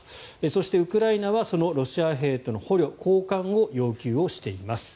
そして、ウクライナはそのロシア兵との捕虜交換を要求しています。